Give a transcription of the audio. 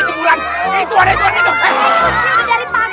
ini bukan terkalo ujian kalau mereka gak angkatin sayang sayang